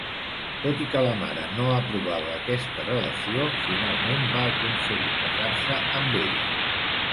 Tot i que la mare no aprovava aquesta relació, finalment va aconseguir casar-se amb ella.